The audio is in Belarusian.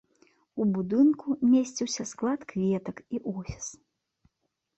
У будынку месціўся склад кветак і офіс.